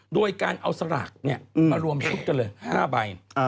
โดยการเอาสลากมารวมชุดกันเลย๕ใบ